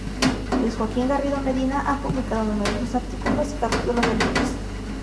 Luis Joaquín Garrido Medina ha publicado numerosos artículos y capítulos de libros.